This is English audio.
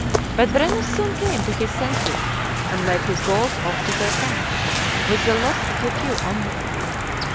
But Brennus soon came to his senses, and led his Gauls off to their camp, with the loss of a few only.